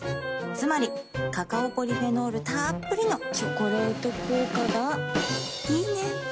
つまりカカオポリフェノールたっぷりの「チョコレート効果」がいいね。